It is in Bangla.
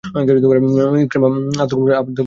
ইকরামা আত্মগোপন করলেও তার স্ত্রী ছিল মক্কায়।